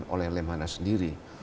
oleh lemhana sendiri